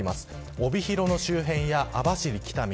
帯広の周辺や網走、北見